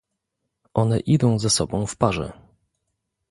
One idą ze sobą w parze